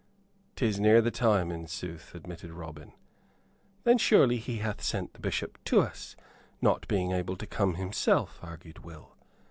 "'Tis near the time, in sooth," admitted Robin. "Then surely he hath sent the Bishop to us, not being able to come himself?" argued Will.